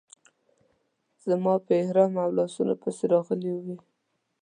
زما په احرام او لاسونو پسې راغلې وې.